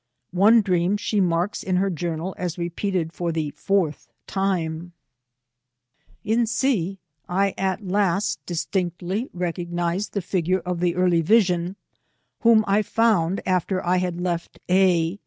One dream she marks in her journal as repeated for the fourth time :— 296 VISITS TO CONCORD. " In C, I at last distinctly recognised the figure of the early vision, whom I found after I had left A.